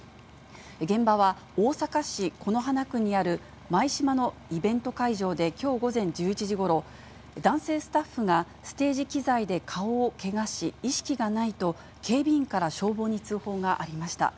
現場は、大阪市此花区にある舞洲のイベント会場で、きょう午前１１時ごろ、男性スタッフがステージ機材で顔をけがし、意識がないと、警備員から消防に通報がありました。